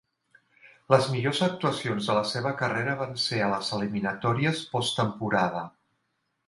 Les millors actuacions de la seva carrera van ser a les eliminatòries post-temporada.